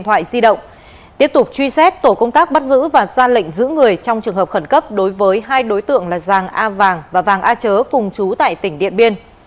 tiếp tục truy xét tổ công tác bắt giữ và ra lệnh giữ người trong trường hợp khẩn cấp đối với hai đối tượng là giàng a vàng và vàng a chớ cùng chú tại tỉnh điện biên